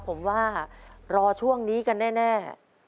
ผมว่ารอช่วงนี้กันแน่